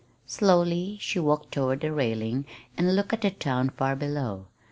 Slowly she walked toward the railing and looked at the town far below.